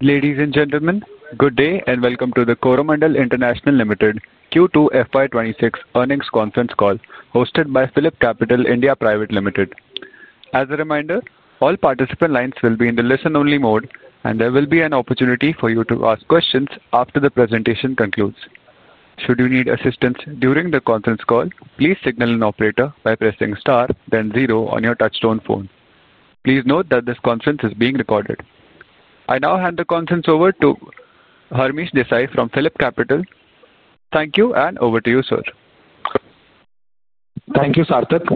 Ladies and gentlemen, good day and welcome to the Coromandel International Limited Q2 FY26 earnings conference call hosted by Phillip Capital India Private Limited. As a reminder, all participant lines will be in the listen-only mode, and there will be an opportunity for you to ask questions after the presentation concludes. Should you need assistance during the conference call, please signal an operator by pressing star, then zero on your touchstone phone. Please note that this conference is being recorded. I now hand the conference over to Harmish Desai from Phillip Capital. Thank you, and over to you, sir. Thank you, Sarthik.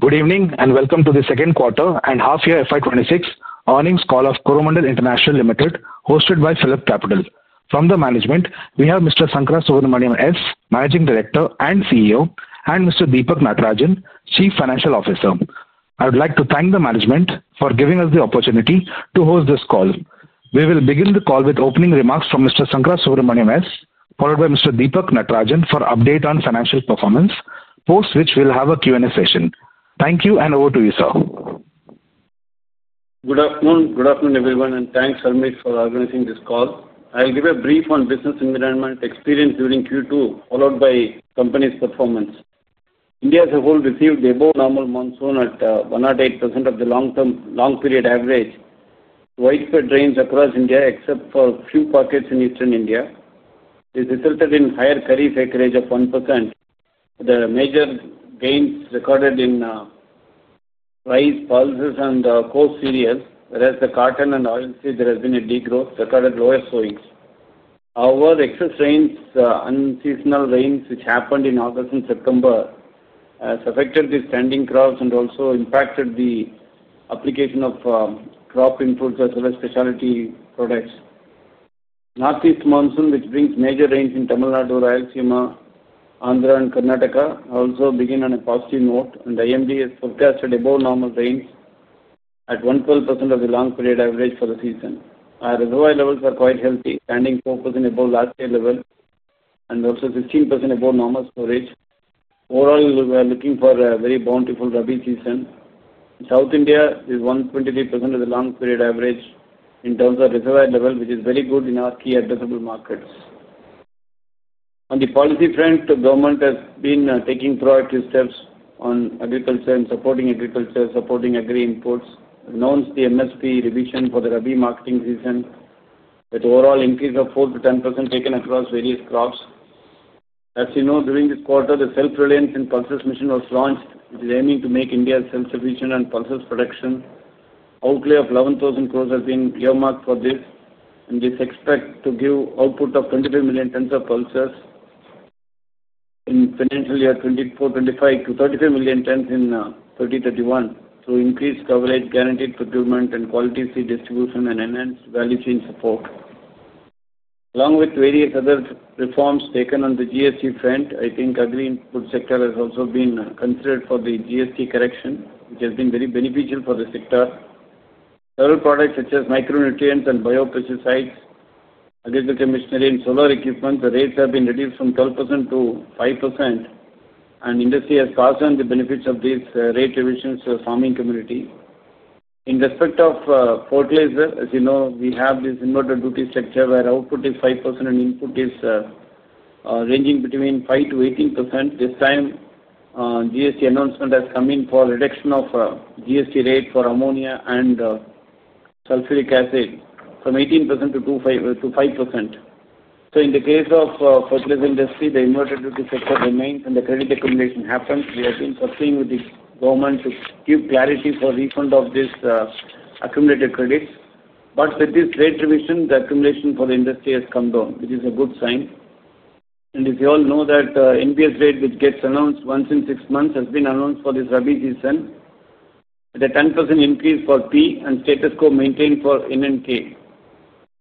Good evening and welcome to the second quarter and half-year FY26 earnings call of Coromandel International Limited hosted by Phillip Capital. From the management, we have Mr. Sankarasubramanian S, Managing Director and CEO, and Mr. Deepak Natarajan, Chief Financial Officer. I would like to thank the management for giving us the opportunity to host this call. We will begin the call with opening remarks from Mr. Sankarasubramanian S, followed by Mr. Deepak Natarajan for an update on financial performance, post which we'll have a Q&A session. Thank you, and over to you, sir. Good afternoon. Good afternoon, everyone, and thanks, Harmish, for organizing this call. I'll give a brief on business environment experience during Q2, followed by company's performance. India as a whole received the above-normal monsoon at 108% of the long-period average. Widespread rains across India, except for a few pockets in eastern India, resulted in higher Kharif figuring of 1%. The major gains recorded in rice, pulses, and coarse cereal, whereas the cotton and oilseed, there has been a degrowth, recorded lower sowings. However, excess rains, unseasonal rains which happened in August and September, have affected the standing crops and also impacted the application of crop inputs as well as specialty products. Northeast monsoon, which brings major rains in Tamil Nadu, Rayalaseema, Andhra, and Karnataka, also began on a positive note, and IMD has forecasted above-normal rains at 112% of the long-period average for the season. Our reservoir levels are quite healthy, standing 4% above last year level and also 15% above normal storage. Overall, we are looking for a very bountiful Rabi season. South India is 123% of the long-period average in terms of reservoir level, which is very good in our key addressable markets. On the policy front, the government has been taking proactive steps on Agriculture and supporting Agriculture, supporting Agri imports. Announced the MSP revision for the Rabi marketing season, with overall increase of 4%-10% taken across various crops. As you know, during this quarter, the self-reliance in pulses mission was launched, which is aiming to make India self-sufficient on pulses production. Outlay of 11,000 crore has been earmarked for this, and this is expected to give output of 23 million tons of pulses in financial year 2024-2025 to 33 million tons in 2031, through increased coverage, guaranteed procurement, and quality seed distribution and enhanced value chain support. Along with various other reforms taken on the GST front, I think Agri Input sector has also been considered for the GST correction, which has been very beneficial for the sector. Several products such as Micro-nutrients and Biopesticides, Agriculture machinery, and solar equipment, the rates have been reduced from 12% to 5%. The industry has passed on the benefits of these rate revisions to the farming community. In respect of foreclosure, as you know, we have this inverted duty structure where output is 5% and input is ranging between 5%-18%. This time, GST announcement has come in for reduction of GST rate for ammonia and sulfuric acid from 18% to 5%. In the case of the fertilizer industry, the inverted duty sector remains and the credit accumulation happens. We have been persisting with the government to give clarity for refund of these accumulated credits. With this rate revision, the accumulation for the industry has come down, which is a good sign. As you all know, the NBS rate which gets announced once in six months has been announced for this rabi season, with a 10% increase for P and status quo maintained for N and K.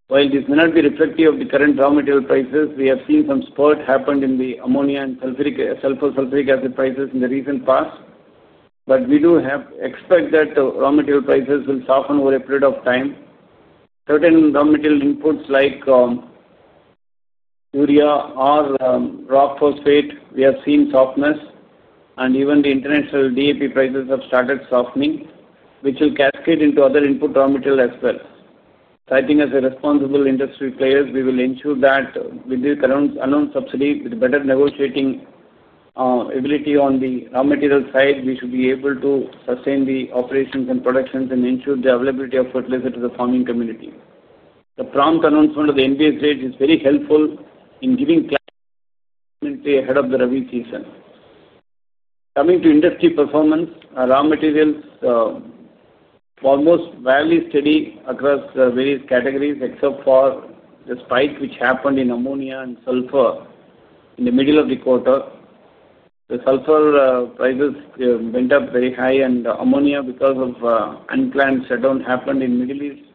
While this may not be reflective of the current raw material prices, we have seen some spurt happen in the ammonia and sulfuric acid prices in the recent past. We do expect that raw material prices will soften over a period of time. Certain raw material inputs like urea or rock phosphate, we have seen softness, and even the international DAP prices have started softening, which will cascade into other input raw material as well. I think as responsible industry players, we will ensure that with this announced subsidy, with better negotiating ability on the raw material side, we should be able to sustain the operations and productions and ensure the availability of fertilizer to the farming community. The prompt announcement of the NBS rate is very helpful in giving clarity ahead of the Rabi season. Coming to industry performance, raw materials were mostly steady across various categories except for the spike which happened in ammonia and sulfur in the middle of the quarter. The sulfur prices went up very high, and ammonia, because of unplanned shutdown happened in the Middle East,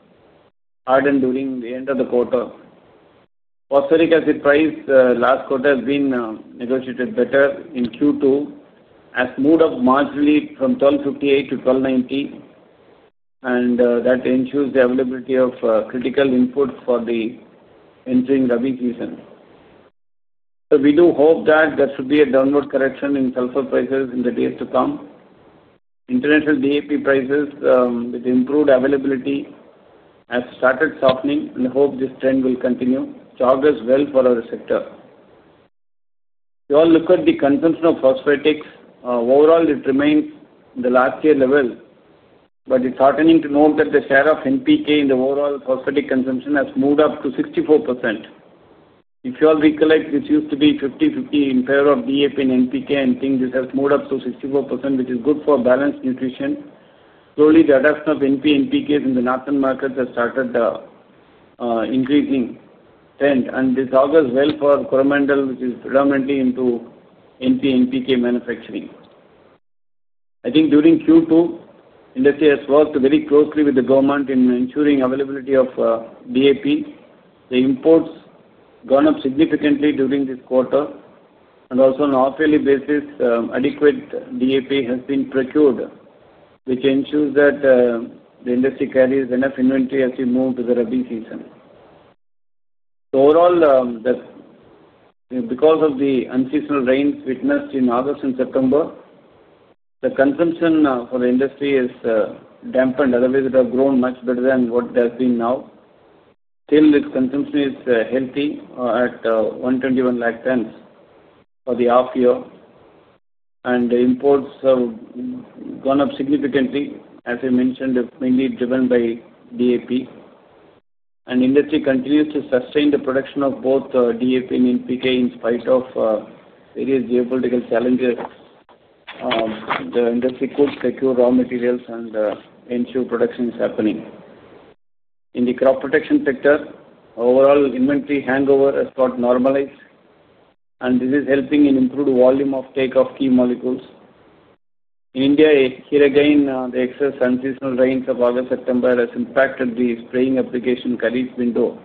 hardened during the end of the quarter. Phosphoric acid price last quarter has been negotiated better in Q2, has moved up marginally from 1,258-1,290. That ensures the availability of critical input for the entering rabi season. We do hope that there should be a downward correction in sulfur prices in the days to come. International DAP prices, with improved availability, have started softening, and I hope this trend will continue to augurs well for our sector. If you all look at the consumption of phosphatics, overall it remains at the last year level, but it's heartening to note that the share of NPK in the overall phosphatic consumption has moved up to 64%. If you all recollect, this used to be 50-50 in favor of DAP and NPK, and things have moved up to 64%, which is good for balanced nutrition. Slowly, the adoption of NP and NPKs in the Northern markets has started. Increasing trend, and this augurs well for Coromandel, which is predominantly into NP and NPK manufacturing. I think during Q2, the industry has worked very closely with the government in ensuring availability of DAP. The imports have gone up significantly during this quarter, and also on an hourly basis, adequate DAP has been procured, which ensures that the industry carries enough inventory as we move to the Rabi season. Overall, because of the unseasonal rains witnessed in August and September, the consumption for the industry has dampened. Otherwise, it has grown much better than what it has been now. Still, its consumption is healthy at 121 lakh tons for the half-year, and the imports have gone up significantly, as I mentioned, mainly driven by DAP. The industry continues to sustain the production of both DAP and NPK in spite of various geopolitical challenges. The industry could secure raw materials and ensure production is happening. In the crop protection sector, overall inventory hangover has got normalized, and this is helping in improved volume of takeoff key molecules. In India, here again, the excess unseasonal rains of August-September have impacted the spraying application kharif window.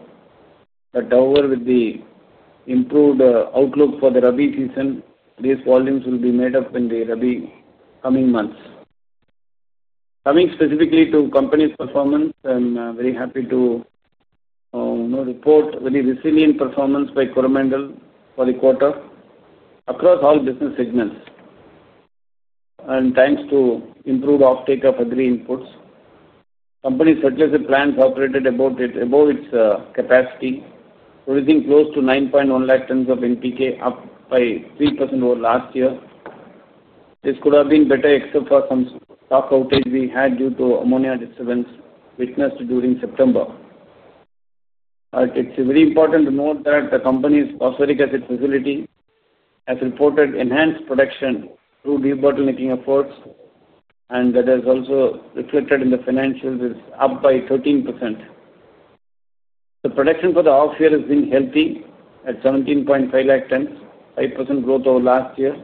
Overall, with the improved outlook for the Rabi season, these volumes will be made up in the Rabi coming months. Coming specifically to company's performance, I'm very happy to report very resilient performance by Coromandel for the quarter across all business segments, and thanks to improved offtake of Agri Inputs. Company's phosphoric acid plants operated above its capacity, producing close to 9.1 lakh tons of NPK, up by 3% over last year. This could have been better except for some stock outage we had due to ammonia disturbance witnessed during September. It's very important to note that the company's Phosphoric Acid facility has reported enhanced production through de-bottlenecking efforts, and that has also reflected in the financials, up by 13%. The production for the half-year has been healthy at 17.5 lakh tons, 5% growth over last year,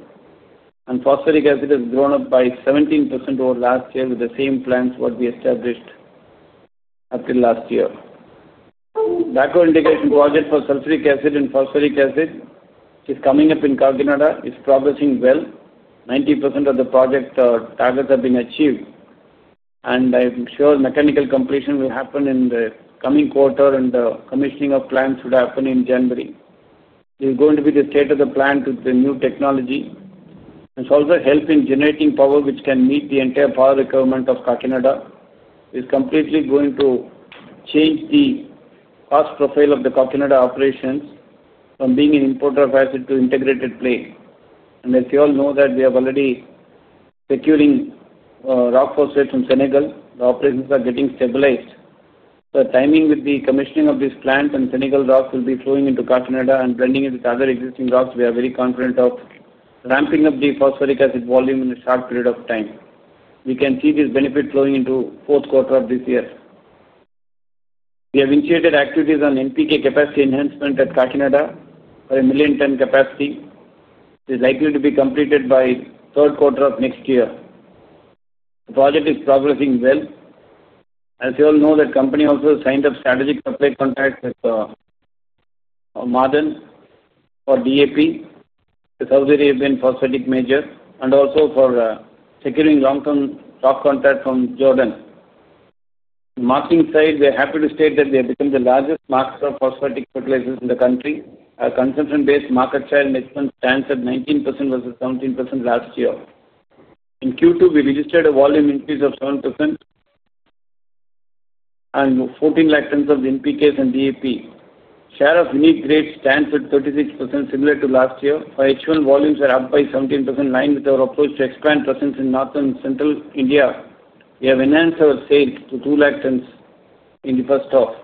and Phosphoric acid has grown up by 17% over last year with the same plants what we established up to last year. Backward integration project for Sulfuric acid and Phosphoric acid is coming up in Kakinada. It's progressing well. 90% of the project targets have been achieved. I'm sure mechanical completion will happen in the coming quarter, and the commissioning of plants should happen in January. This is going to be the state of the plant with the new technology. It's also helping generating power, which can meet the entire power requirement of Kakinada. It's completely going to change the cost profile of the Kakinada operations from being an importer of acid to integrated play. As you all know, we have already been procuring rock phosphates from Senegal. The operations are getting stabilized. The timing with the commissioning of this plant and Senegal rock will be flowing into Kakinada and blending it with other existing rocks. We are very confident of ramping up the phosphoric acid volume in a short period of time. We can see this benefit flowing into the fourth quarter of this year. We have initiated activities on NPK capacity enhancement at Kakinada for a million ton capacity. It's likely to be completed by the third quarter of next year. The project is progressing well. As you all know, the company also signed up strategic supply contracts with Ma’aden for DAP, the Saudi Arabian Phosphatic Major, and also for securing long-term stock contract from Jordan. On the marketing side, we are happy to state that we have become the largest market for phosphatic fertilizers in the country. Our consumption-based market share in phosphatic fertilizers stands at 19% vs 17% last year. In Q2, we registered a volume increase of 7% and 1.4 million tons of NPKs and DAP. Share of unique grade stands at 36%, similar to last year. Our H1 volumes are up by 17%, in line with our approach to expand presence in northern and central India. We have enhanced our sales to 200,000 tons in the first half.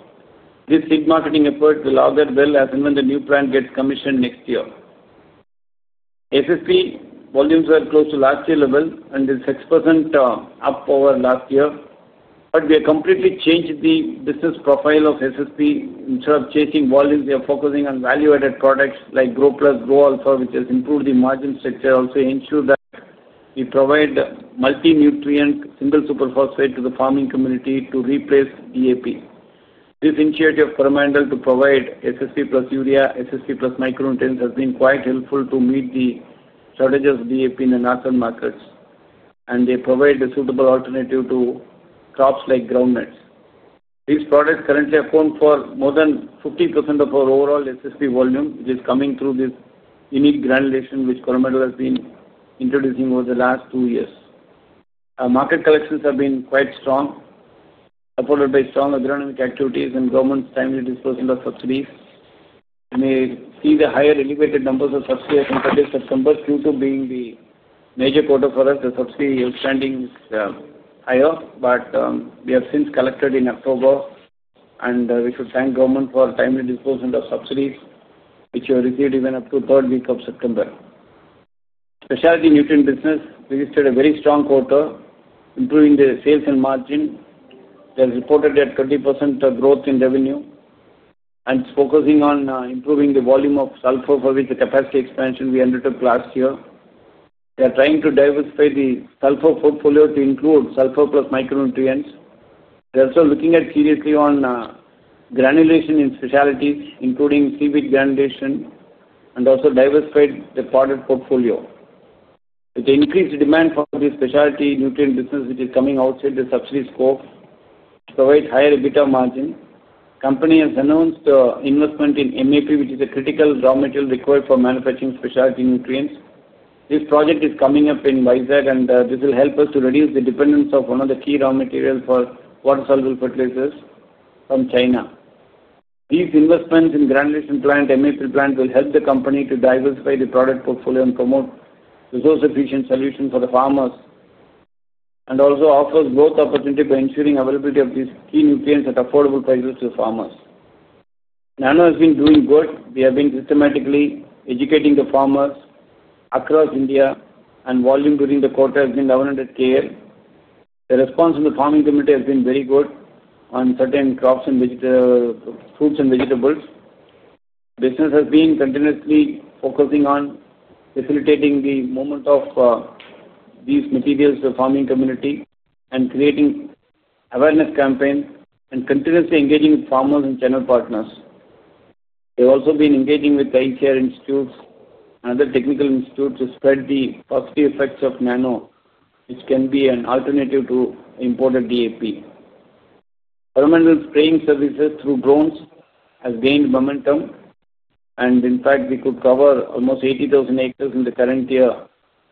This seed marketing effort will augur well as soon as the new plant gets commissioned next year. SSP volumes were close to last year level and is 6% up over last year. We have completely changed the business profile of SSP. Instead of chasing volumes, we are focusing on value-added products like GroPlus, Gromor Alpha, which has improved the margin structure. Also, ensure that we provide multi-nutrient single super phosphate to the farming community to replace DAP. This initiative of Coromandel to provide SSP Plus urea, SSP Plus micro-nutrients has been quite helpful to meet the shortages of DAP in the northern markets, and they provide a suitable alternative to crops like groundnuts. These products currently account for more than 50% of our overall SSP volume, which is coming through this unique granulation, which Coromandel has been introducing over the last two years. Our market collections have been quite strong, supported by strong agronomic activities and government's timely disposal of subsidies. We may see the higher elevated numbers of subsidy in early September due to being the major quarter for us. The subsidy outstanding is higher, but we have since collected in October, and we should thank government for timely disposal of subsidies, which were received even up to the third week of September. Specialty nutrient business registered a very strong quarter, improving the sales and margin. There's reported at 20% growth in revenue, and focusing on improving the volume of sulfur with the capacity expansion we undertook last year. We are trying to diversify the Sulfur Portfolio to include Sulfur Plus micro-nutrients. We're also looking at seriously on granulation in specialties, including seaweed granulation, and also diversify the product portfolio. With the increased demand for the specialty nutrient business, which is coming outside the subsidy scope, to provide higher EBITDA margin, the company has announced investment in MAP, which is a critical raw material required for manufacturing specialty nutrients. This project is coming up in Visakhapatnam, and this will help us to reduce the dependence of one of the key raw materials for water-soluble fertilizers from China. These investments in granulation plant, MAP plant, will help the company to diversify the product portfolio and promote resource-efficient solutions for the farmers. It also offers both opportunity by ensuring availability of these key nutrients at affordable prices to the farmers. Nano has been doing good. We have been systematically educating the farmers across India, and volume during the quarter has been 1,100 KA. The response in the farming community has been very good on certain crops and fruits and vegetables. The business has been continuously focusing on facilitating the movement of these materials to the farming community and creating awareness campaigns and continuously engaging farmers and channel partners. They've also been engaging with the HR institutes and other technical institutes to spread the positive effects of Nano, which can be an alternative to imported DAP. Coromandel's spraying services through drones have gained momentum, and in fact, we could cover almost 80,000 acres in the current year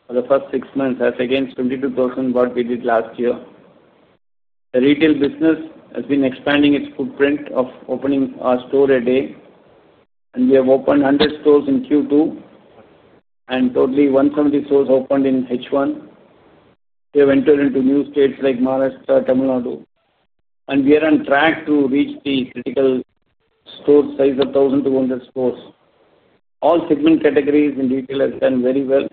for the first six months, as against 22,000 what we did last year. The retail business has been expanding its footprint of opening a store a day. We have opened 100 stores in Q2, and totally 170 stores opened in H1. We have entered into new states like Maharashtra, Tamil Nadu, and we are on track to reach the critical store size of 1,200 stores. All segment categories in retail have done very well.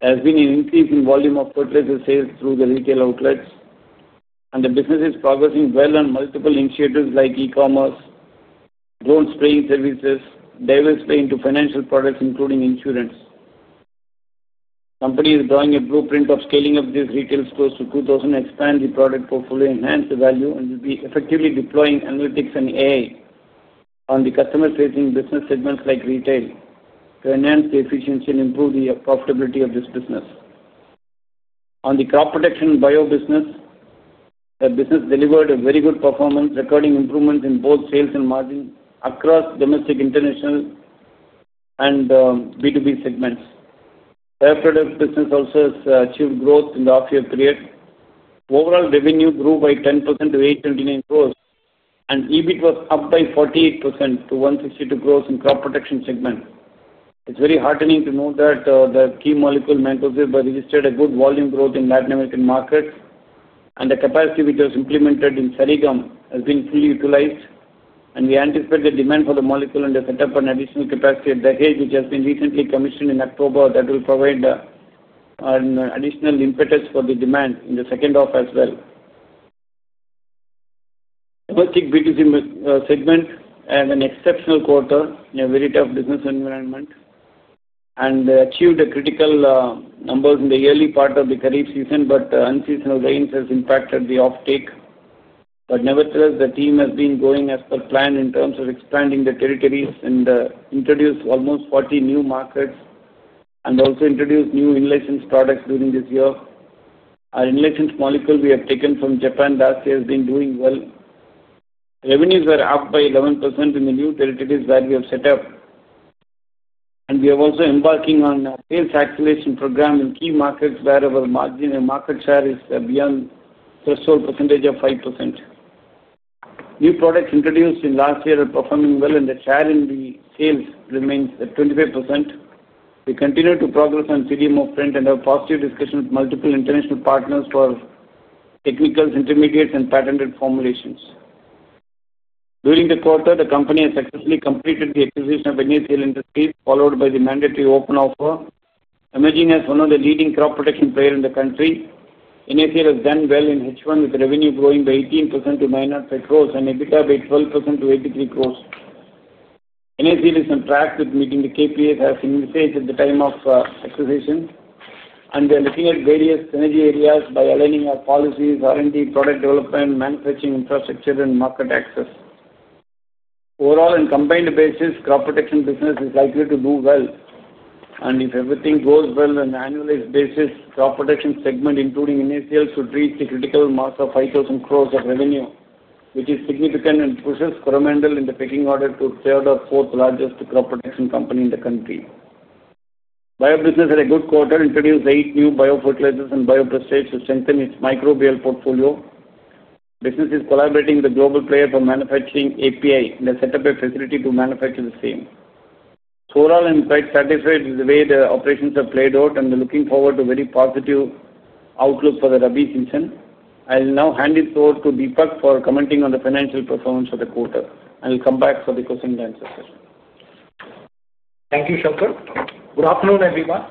There has been an increase in volume of foreclosure sales through the retail outlets, and the business is progressing well on multiple initiatives like e-commerce, drone spraying services, diversifying to financial products including insurance. The company is drawing a blueprint of scaling up these retail stores to 2,000, expand the product portfolio, enhance the value, and will be effectively deploying analytics and AI on the customer-facing business segments like retail to enhance the efficiency and improve the profitability of this business. On the crop protection bio business, the business delivered a very good performance, recording improvements in both sales and margins across domestic, international, and B2B segments. Their product business also has achieved growth in the half-year period. Overall revenue grew by 10% to 829 crore, and EBIT was up by 48% to 162 crore in the crop protection segment. It's very heartening to know that the key molecule Mancozeb registered a good volume growth in Latin American markets, and the capacity which was implemented in Sarigam has been fully utilized. We anticipate the demand for the molecule and have set up an additional capacity at the Bhagod, which has been recently commissioned in October that will provide an additional impetus for the demand in the second half as well. The domestic B2C segment had an exceptional quarter in a very tough business environment and achieved critical numbers in the early part of the Kharif season. Unseasonal rains have impacted the offtake. Nevertheless, the team has been going as per plan in terms of expanding the territories and introduced almost 40 new markets and also introduced new inlets and products during this year. Our inlets and molecule we have taken from Japan last year has been doing well. Revenues are up by 11% in the new territories that we have set up. We are also embarking on a sales acceleration program in key markets where our margin and market share is beyond threshold of 5%. New products introduced in last year are performing well, and the share in the sales remains at 25%. We continue to progress on CDMO print and have positive discussions with multiple international partners for technicals, intermediates, and patented formulations. During the quarter, the company has successfully completed the acquisition of NACL Industries, followed by the mandatory open offer. Emerging as one of the leading crop protection players in the country, NACL has done well in H1 with revenue growing by 18% to 900 crore and EBITDA by 12% to 83 crore. NACL is on track with meeting the KPIs as indicated at the time of acquisition. We are looking at various energy areas by aligning our policies, R&D, product development, manufacturing infrastructure, and market access. Overall, on a combined basis, crop protection business is likely to do well. If everything goes well on an annualized basis, crop protection segment, including NACL, should reach the critical mark of 5,000 crore of revenue, which is significant and pushes Coromandel in the pecking order to third or fourth largest crop protection company in the country. Biobusiness had a good quarter, introduced eight new Biofertilizers and biobust agents to strengthen its microbial portfolio. The business is collaborating with a global player for manufacturing API and has set up a facility to manufacture the same. Overall, I'm quite satisfied with the way the operations have played out, and we're looking forward to a very positive outlook for the Rabi season. I'll now hand it over to Deepak for commenting on the financial performance of the quarter. I'll come back for the questions and answers. Thank you, Sankar. Good afternoon, everyone.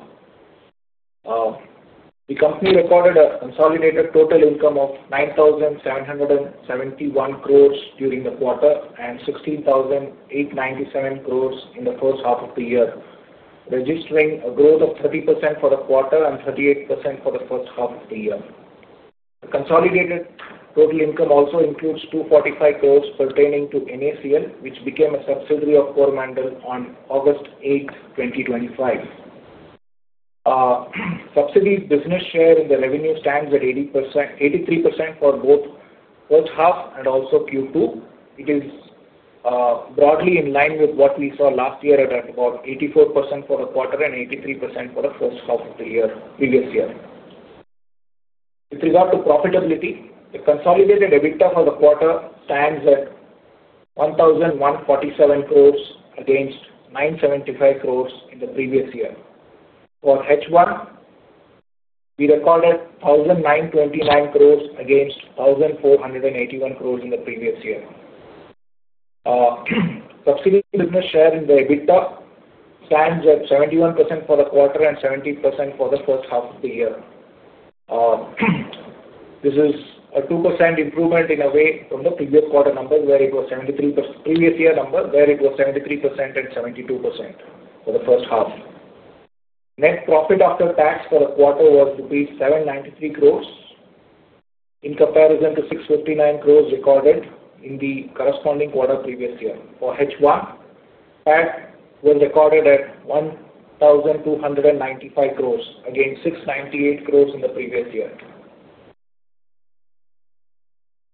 The company recorded a consolidated total income of 9,771 crore during the quarter and 16,897 crore in the first half of the year, registering a growth of 30% for the quarter and 38% for the first half of the year. The consolidated total income also includes 245 crore pertaining to NACL, which became a subsidiary of Coromandel on August 8, 2023. Subsidy business share in the revenue stands at 83% for both first half and also Q2. It is. Broadly in line with what we saw last year at about 84% for the quarter and 83% for the first half of the previous year. With regard to profitability, the consolidated EBITDA for the quarter stands at 1,147 crores against 975 crores in the previous year. For H1, we recorded 1,929 crores against 1,481 crores in the previous year. Subsidy business share in the EBITDA stands at 71% for the quarter and 70% for the first half of the year. This is a 2% improvement in a way from the previous year number where it was 73% and 72% for the first half. Net profit after tax for the quarter was rupees 793 crores in comparison to 659 crores recorded in the corresponding quarter previous year. For H1, that was recorded at 1,295 crores against 698 crores in the previous year.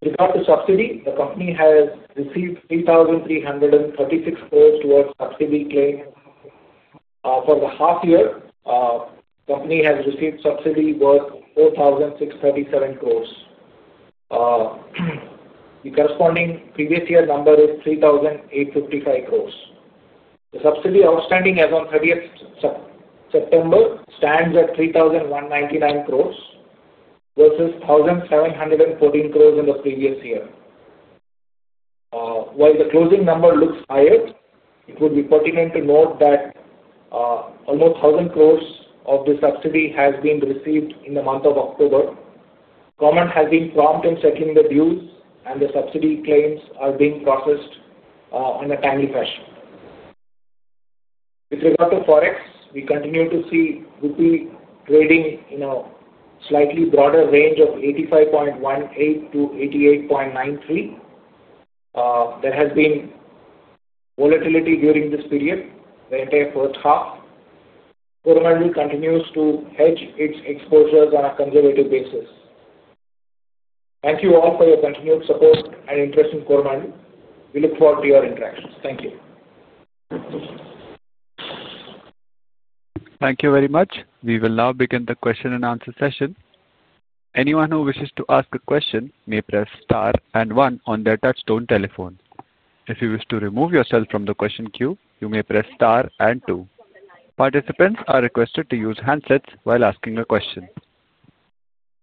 With regard to subsidy, the company has received 3,336 crores towards subsidy claims. For the half year, the company has received subsidy worth 4,637 crores. The corresponding previous year number is 3,855 crores. The subsidy outstanding as of 30th September stands at 3,199 crores vs 1,714 crores in the previous year. While the closing number looks higher, it would be pertinent to note that almost 1,000 crores of the subsidy has been received in the month of October. Coromandel has been prompt in settling the dues, and the subsidy claims are being processed in a timely fashion. With regard to Forex, we continue to see Rupee trading in a slightly broader range of 85.18-88.93. There has been volatility during this period, the entire first half. Coromandel continues to hedge its exposures on a conservative basis. Thank you all for your continued support and interest in Coromandel. We look forward to your interactions. Thank you. Thank you very much. We will now begin the question and answer session. Anyone who wishes to ask a question may press star and 1 on their touchstone telephone. If you wish to remove yourself from the question queue, you may press star and 2. Participants are requested to use handsets while asking a question.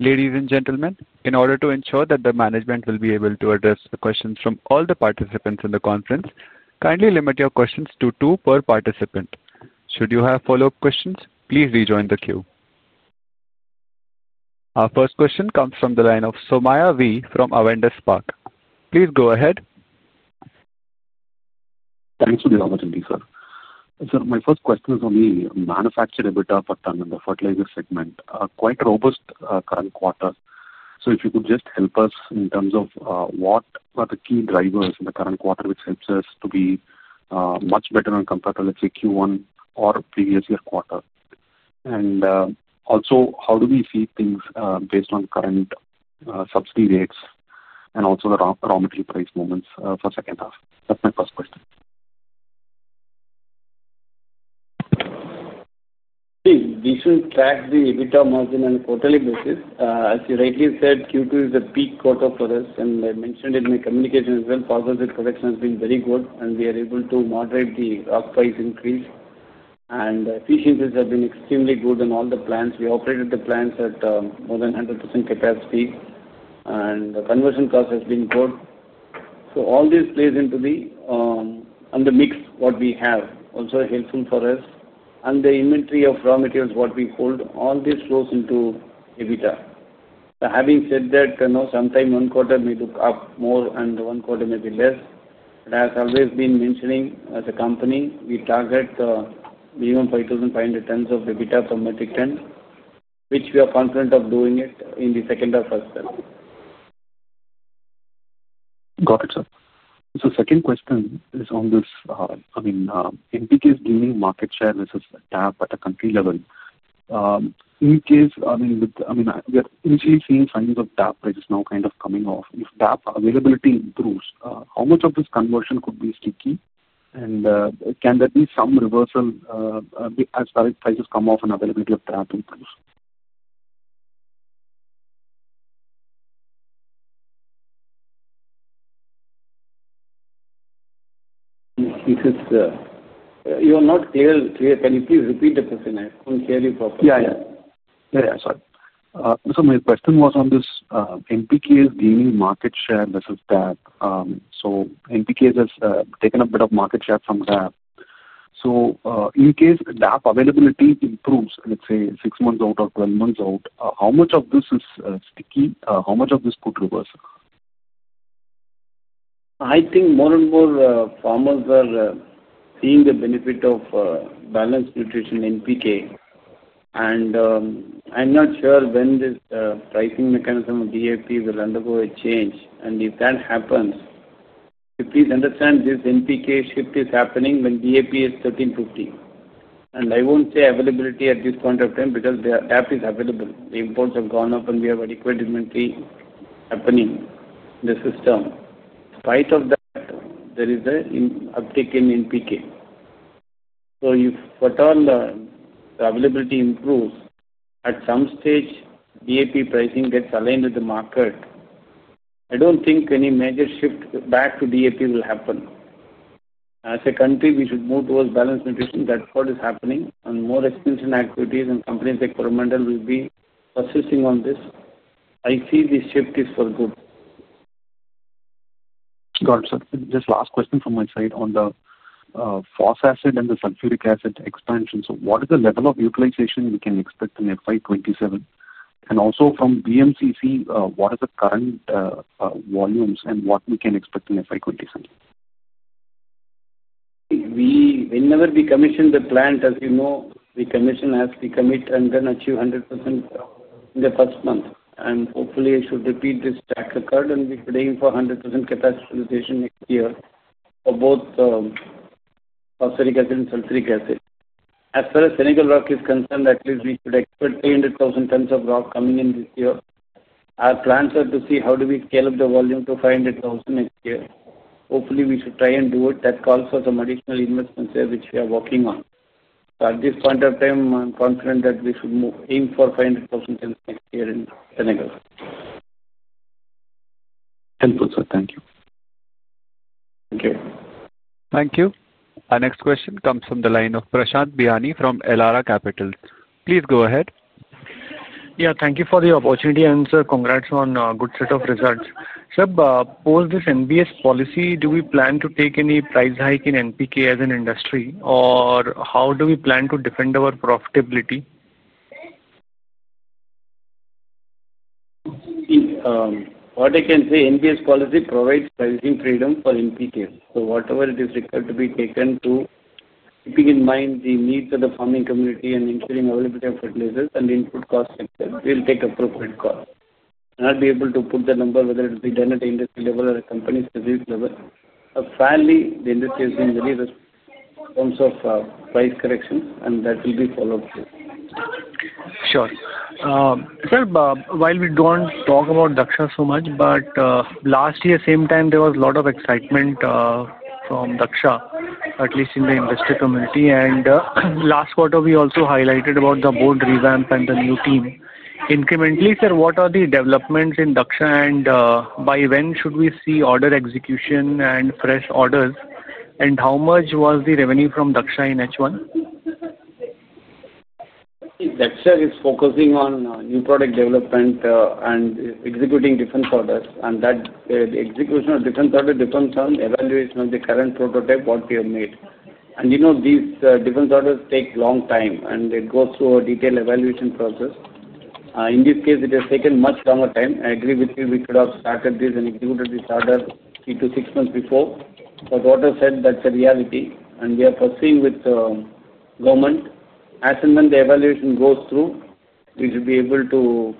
Ladies and gentlemen, in order to ensure that the management will be able to address the questions from all the participants in the conference, kindly limit your questions to two per participant. Should you have follow-up questions, please rejoin the queue. Our first question comes from the line of Somaiah V from Avendus Spark. Please go ahead. Thanks for the opportunity, sir. Sir, my first question is on the manufactured EBITDA per ton in the fertilizer segment. Quite a robust current quarter. If you could just help us in terms of what are the key drivers in the current quarter which helps us to be much better on comparable, let's say, Q1 or previous year quarter. Also, how do we see things based on current subsidy rates and also the raw material price movements for the second half? That's my first question. We should track the EBITDA margin on a quarterly basis. As you rightly said, Q2 is a peak quarter for us, and I mentioned it in my communication as well. Phosphatic fertilizer production has been very good, and we are able to moderate the rock price increase. Efficiencies have been extremely good on all the plants. We operated the plants at more than 100% capacity, and the conversion cost has been good. All this plays into the mix we have, also helpful for us. The inventory of raw materials we hold, all this flows into EBITDA. Having said that, sometimes one quarter may look up more and one quarter may be less. As I've always been mentioning, as a company, we target the minimum 5,500 of EBITDA per metric ton, which we are confident of doing in the second half as well. Got it, sir. The second question is on this. In the case of gaining market share vs DAP at a country level. We're initially seeing signs of DAP prices now kind of coming off. If DAP availability improves, how much of this conversion could be sticky? Can there be some reversal as prices come off and availability of DAP improves? You are not clear. Can you please repeat the question? I couldn't hear you properly. Yeah, yeah. Sorry. My question was on NPK's gaining market share vs DAP. NPK has taken a bit of market share from DAP. In case DAP availability improves, let's say 6 months out or 12 months out, how much of this is sticky? How much of this could reverse? I think more and more farmers are seeing the benefit of balanced nutrition NPK. I'm not sure when this pricing mechanism of DAP will undergo a change. If that happens, please understand, this NPK shift is happening when DAP is 13,500. I won't say availability at this point of time because the DAP is available. The imports have gone up and we have adequate inventory happening in the system. In spite of that, there is an uptick in NPK. If at all the availability improves, at some stage, DAP pricing gets aligned with the market. I don't think any major shift back to DAP will happen. As a country, we should move towards balanced nutrition. That's what is happening on more extension activities and companies like Coromandel will be persisting on this. I see this shift is for good. Got it, sir. Just last question from my side on the Phosphoric acid and the Sulfuric acid expansion. What is the level of utilization we can expect in FY 2027? Also, from BMCC, what are the current volumes and what can we expect in FY 2027? We will never be commissioned the plant. As you know, we commission as we commit and then achieve 100% in the first month. Hopefully, I should repeat this TAP record and we're paying for 100% capacity utilization next year for both Phosphoric acid and Sulfuric acid. As far as Senegal rock is concerned, at least we should expect 300,000 tons of rock coming in this year. Our plans are to see how do we scale up the volume to 500,000 next year. Hopefully, we should try and do it. That calls for some additional investments here which we are working on. At this point of time, I'm confident that we should aim for 500,000 tons next year in Senegal. Helpful, sir. Thank you. Thank you. Thank you. Our next question comes from the line of Prashant Biyani from Elara Capital. Please go ahead. Yeah, thank you for the opportunity, Sankar. Congrats on a good set of results. Sir, post this NBS policy, do we plan to take any price hike in NPK as an industry? Or how do we plan to defend our profitability? What I can say, NBS policy provides pricing freedom for NPKs. Whatever it is required to be taken to, keeping in mind the needs of the farming community and ensuring availability of fertilizers and Input cost sector, we'll take appropriate cost. I'll be able to put the number whether it be done at the industry level or a company-specific level. Finally, the industry has been very risky in terms of price corrections, and that will be followed through. Sure. Sir, while we don't talk about Dhaksha so much, last year, same time, there was a lot of excitement from Dhaksha, at least in the investor community. Last quarter, we also highlighted about the board revamp and the new team. Incrementally, sir, what are the developments in Dhaksha and by when should we see order execution and fresh orders? How much was the revenue from Dhaksha in H1? Dhaksha is focusing on new product development and executing different orders. The execution of different orders depends on evaluation of the current prototype we have made. These different orders take a long time, and they go through a detailed evaluation process. In this case, it has taken much longer time. I agree with you. We could have started this and executed this order three to six months before. That's the reality. We are proceeding with the government. As and when the evaluation goes through, we should be able to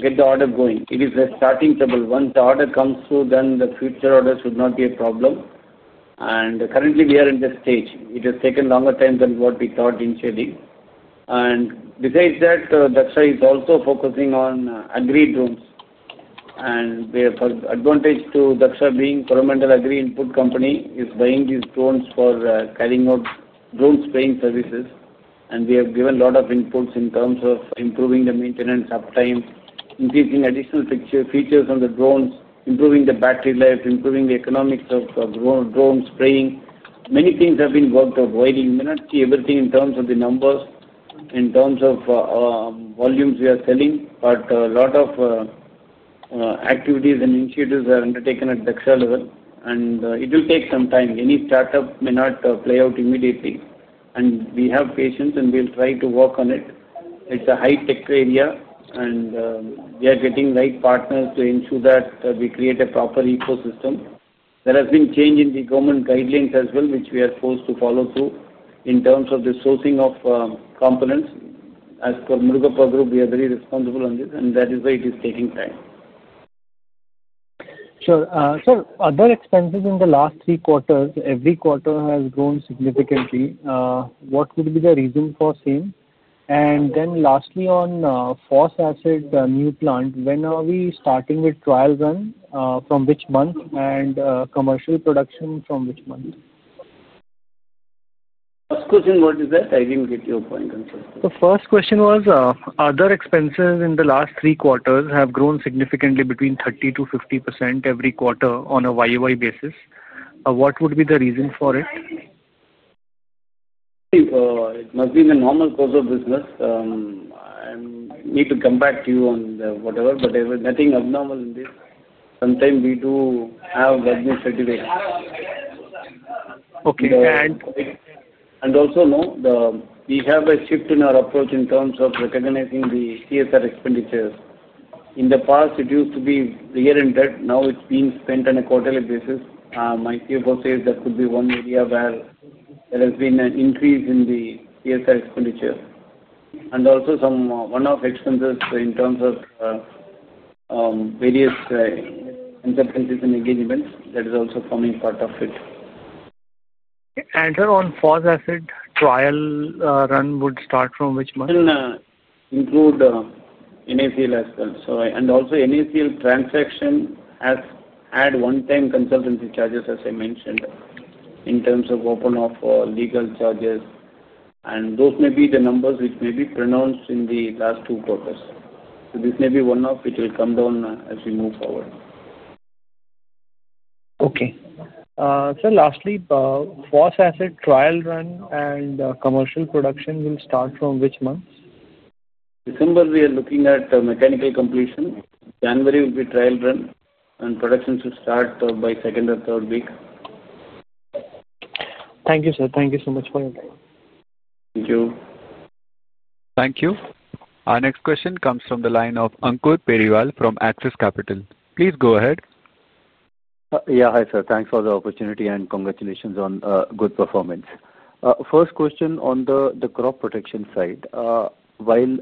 get the order going. It is a starting table. Once the order comes through, the future orders should not be a problem. Currently, we are in this stage. It has taken longer time than what we thought initially. Besides that, Dhaksha is also focusing on Agri drones. The advantage to Dhaksha being Coromandel Agri Input company is buying these drones for carrying out drone spraying services. We have given a lot of Inputs in terms of improving the maintenance uptime, increasing additional features on the drones, improving the battery life, improving the economics of drone spraying. Many things have been worked out. We're in minutes to everything in terms of the numbers, in terms of volumes we are selling. A lot of activities and initiatives are undertaken at Dhaksha level, and it will take some time. Any startup may not play out immediately. We have patience, and we'll try to work on it. It's a high-tech area, and we are getting right partners to ensure that we create a proper ecosystem. There has been change in the government guidelines as well, which we are forced to follow through in terms of the sourcing of components. As per Murugappa Group, we are very responsible on this, and that is why it is taking time. Sure. Sir, other expenses in the last three quarters, every quarter has grown significantly. What would be the reason for same? Lastly, on Phosphoric acid new plant, when are we starting with trial run? From which month? And commercial production from which month? First question, what is that? I didn't get your point, Prashant. The first question was, other expenses in the last three quarters have grown significantly between 30%-50% every quarter on a YoY basis. What would be the reason for it? It must be the normal course of business. I need to come back to you on whatever, but there was nothing abnormal in this. Sometimes we do have government certifications. Okay. Also, we have a shift in our approach in terms of recognizing the CSR expenditures. In the past, it used to be year-ended. Now it's being spent on a quarterly basis. My CFO says that could be one area where there has been an increase in the CSR expenditure. Also, one of the expenses in terms of various consultancies and engagements, that is also forming part of it. Answer, on Phosphoric acid trial run would start from which month? Will include NACL as well. Also, NACL transaction has had one-time consultancy charges, as I mentioned, in terms of open-off legal charges. Those may be the numbers which may be pronounced in the last two quarters. This may be one of which will come down as we move forward. OK. Sir, lastly, Phosphoric acid trial run and commercial production will start from which month? December, we are looking at mechanical completion. January will be trial run, and production should start by second or third week. Thank you, sir. Thank you so much for your time. Thank you. Thank you. Our next question comes from the line of Ankur Periwal from Axis Capital. Please go ahead. Yeah, hi, sir. Thanks for the opportunity and congratulations on good performance. First question on the crop protection side. While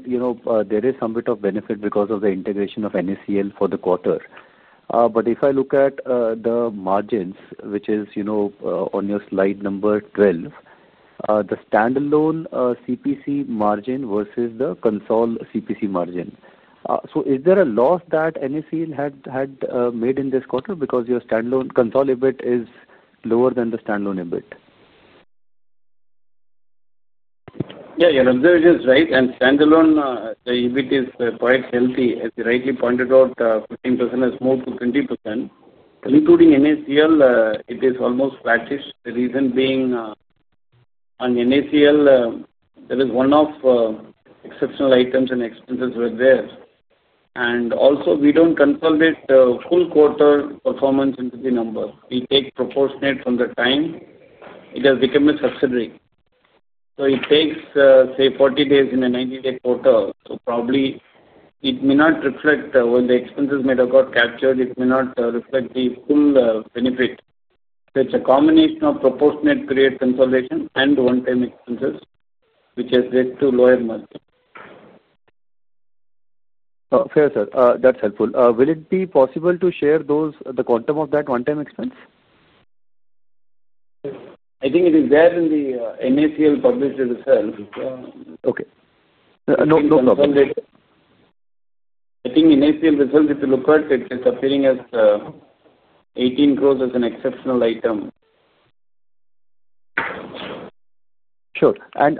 there is some bit of benefit because of the integration of NACL for the quarter, if I look at the margins, which is on your slide number 12, the standalone CPC margin vs the consoled CPC margin, is there a loss that NACL had made in this quarter because your standalone consoled EBIT is lower than the standalone EBIT? Yeah, your observation is right. Standalone, the EBIT is quite healthy. As you rightly pointed out, 15% has moved to 20%. Including NACL, it is almost flattish. The reason being, on NACL, there is one of exceptional items and expenses were there. Also, we don't consolidate full quarter performance into the numbers. We take proportionate from the time it has become a subsidiary. It takes, say, 40 days in a 90-day quarter. Probably it may not reflect when the expenses might have got captured, it may not reflect the full benefit. It's a combination of proportionate period consolidation and one-time expenses, which has led to lower margin. Fair, sir. That's helpful. Will it be possible to share the quantum of that one-time expense? I think it is there in the NACL published result. Okay. No problem. I think NACL result, if you look at it, it's appearing as. Growth as an exceptional item. Sure. And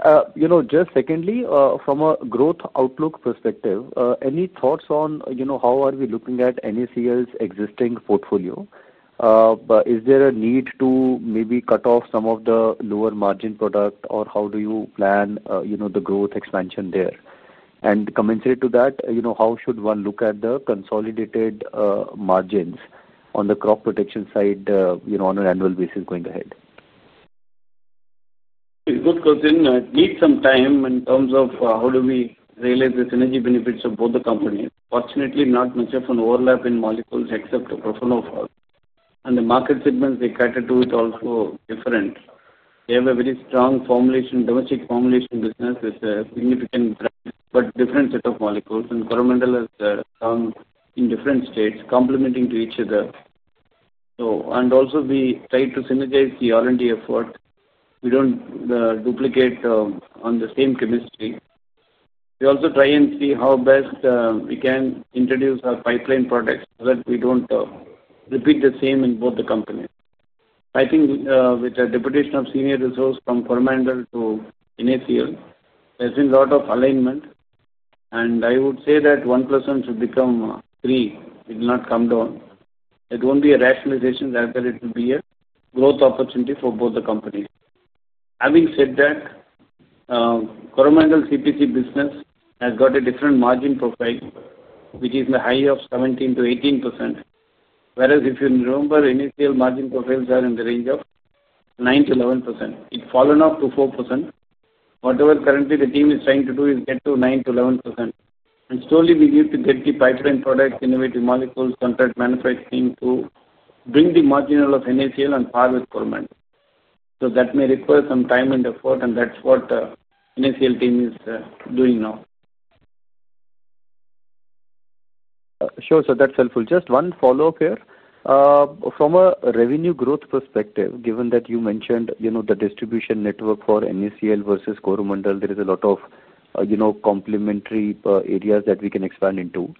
just secondly, from a growth outlook perspective, any thoughts on how are we looking at NACL's existing portfolio? Is there a need to maybe cut off some of the lower margin product, or how do you plan the growth expansion there? And commensurate to that, how should one look at the consolidated margins on the crop protection side on an annual basis going ahead? It's a good question. It needs some time in terms of how do we realize the synergy benefits of both the companies. Fortunately, not much of an overlap in molecules except for Profenofos. The market segments they cater to are also different. They have a very strong domestic formulation business with a significant but different set of molecules. Coromandel has found in different states, complementing each other. We try to synergize the R&D effort. We don't duplicate on the same chemistry. We also try and see how best we can introduce our pipeline products so that we don't repeat the same in both the companies. I think with the deputation of senior resource from Coromandel to NACL, there's been a lot of alignment. I would say that 1+1 should become three. It will not come down. It won't be a rationalization; it will be a growth opportunity for both the companies. Having said that, Coromandel crop protection business has got a different margin profile, which is in the high of 17%-18%. Whereas if you remember, NACL margin profiles are in the range of 9%-11%. It's fallen off to 4%. Whatever currently the team is trying to do is get to 9%-11%. Slowly, we need to get the pipeline products, innovative molecules, contract manufacturing to bring the margin of NACL on par with Coromandel. That may require some time and effort, and that's what the NACL team is doing now. Sure, sir. That's helpful. Just one follow-up here. From a revenue growth perspective, given that you mentioned the distribution network for NACL vs Coromandel, there is a lot of complementary areas that we can expand into.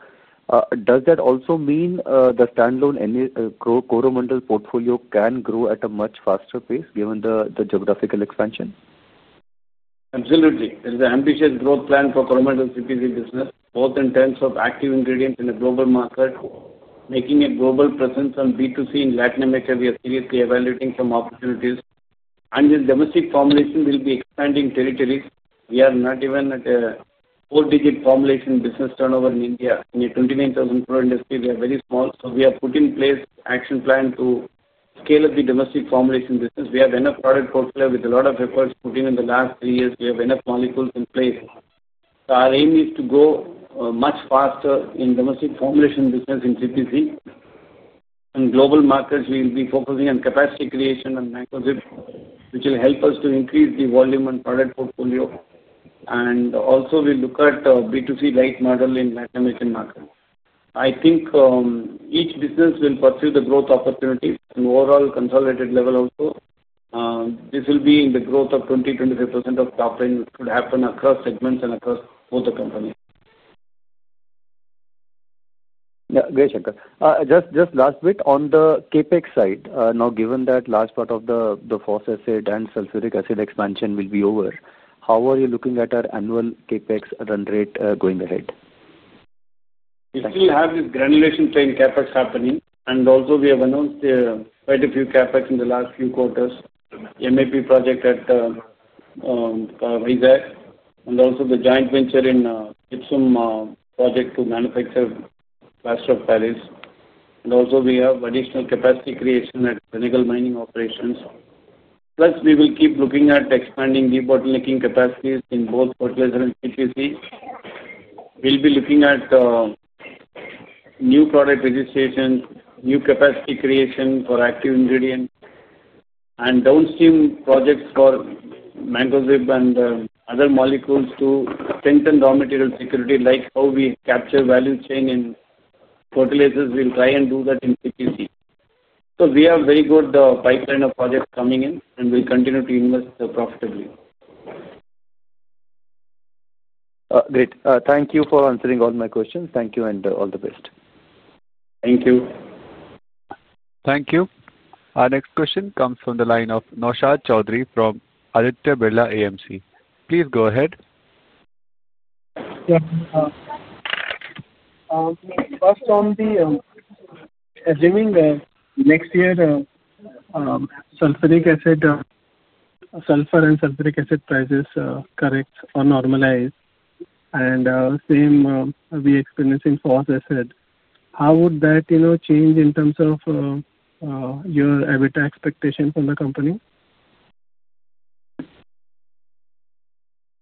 Does that also mean the standalone Coromandel portfolio can grow at a much faster pace given the geographical expansion? Absolutely. There is an ambitious growth plan for Coromandel crop protection business, both in terms of active ingredients in the global market, making a global presence on B2C in Latin America. We are seriously evaluating some opportunities. With domestic formulation, we'll be expanding territories. We are not even at a four-digit formulation business turnover in India. In a 29,000 crore industry, we are very small. We have put in place an action plan to scale up the domestic formulation business. We have enough product portfolio with a lot of efforts put in in the last three years. We have enough molecules in place. Our aim is to go much faster in domestic formulation business in crop protection. In global markets, we will be focusing on capacity creation and microchips, which will help us to increase the volume and product portfolio. We will also look at B2C light model in Latin American markets. Each business will pursue the growth opportunities on overall consolidated level also. This will be in the growth of 20%-25% of pipeline, which could happen across segments and across both the companies. Great, Sankar. Just last bit on the CapEx side. Now, given that last part of the Phosphoric acid and Sulfuric acid expansion will be over, how are you looking at our annual CapEx run rate going ahead? We still have this granulation plant CapEx happening. We have announced quite a few CapEx in the last few quarters: MAP project at Kakinada, and also the joint venture in gypsum project to manufacture plaster of Paris. We have additional capacity creation at Senegal mining operations. We will keep looking at expanding debottlenecking capacities in both fertilizer and crop protection. We will be looking at new product registration, new capacity creation for active ingredients, and downstream projects for Mancozeb and other molecules to strengthen raw material security, like how we capture value chain in fertilizers. We will try and do that in crop protection. We have very good pipeline of projects coming in, and we will continue to invest profitably. Great. Thank you for answering all my questions. Thank you, and all the best. Thank you. Thank you. Our next question comes from the line of Naushad Chaudhary from Aditya Birla AMC. Please go ahead. First, on the, assuming next year Sulfur and Sulfuric acid prices correct or normalize, and same we experience in Phosphoric acid, how would that change in terms of your EBITDA expectation from the company?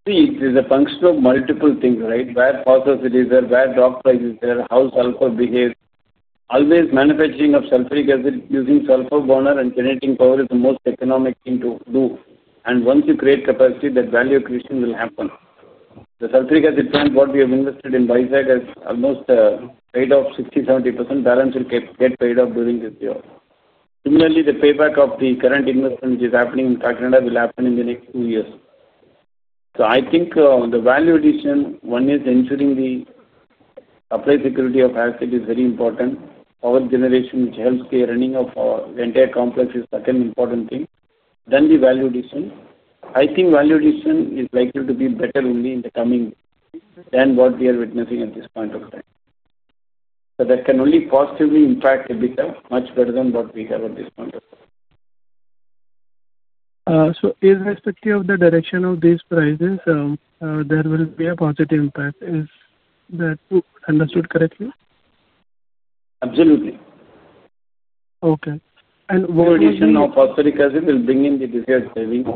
See, it is a function of multiple things, right? Where Phosphoric acid is there, where DAP price is there, how Sulfur behaves. Always, manufacturing of Sulfuric acid using Sulfur burner and generating power is the most economic thing to do. Once you create capacity, that value creation will happen. The Sulfuric acid plant, what we have invested in Bhagod, has almost paid off 60%-70%. Balance will get paid off during this year. Similarly, the payback of the current investment, which is happening in Kakinada, will happen in the next two years. I think the value addition, one is ensuring the supply security of acid, is very important. Power generation, which helps the running of the entire complex, is the second important thing. The value addition is likely to be better only in the coming period than what we are witnessing at this point of time. That can only positively impact EBITDA much better than what we have at this point of time. Irrespective of the direction of these prices, there will be a positive impact. Is that understood correctly? Absolutely. The value addition of Sulfuric acid will bring in the desired savings.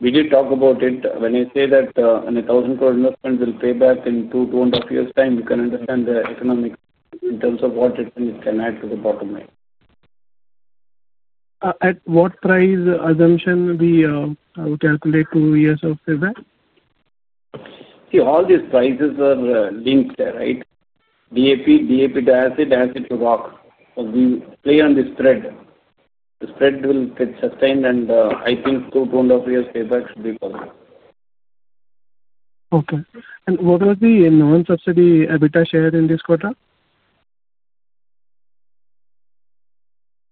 We did talk about it. When I say that a 1,000 crore investment will pay back in two, two and a half years' time, you can understand the economic in terms of what it can add to the bottleneck. At what price assumption will we calculate two years of payback? All these prices are linked there, right? DAP, DAP to acid, acid to rock. We play on this thread. The thread will get sustained, and I think two to two and a half years' payback should be possible. What was the non-subsidy EBITDA share in this quarter?